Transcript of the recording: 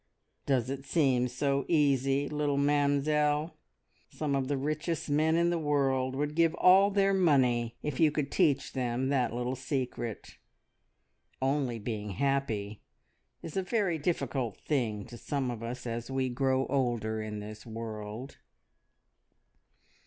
"Does it seem so easy, little Mamzelle? Some of the richest men in the world would give all their money if you could teach them that little secret. `Only being happy' is a very difficult thing to some of us as we grow older in this world."